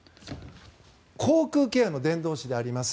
口腔ケアの伝道師であります